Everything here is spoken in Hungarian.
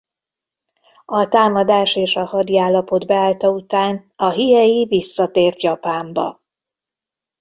A támadás és a hadiállapot beállta után a Hiei visszatért Japánba.